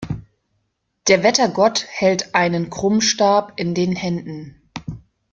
Der Wettergott hält einen Krummstab in den Händen.